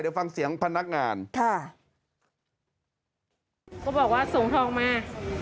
เดี๋ยวฟังเสียงพนักงานค่ะเขาบอกว่าส่งทองมา